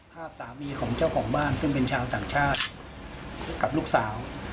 ภาพสามีของเจ้าของบ้านซึ่งเป็นชาวต่างชาติกับลูกสาว